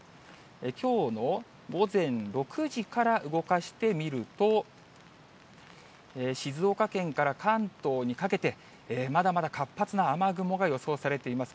きょうの午前６時から動かしてみると、静岡県から関東にかけて、まだまだ活発な雨雲が予想されています。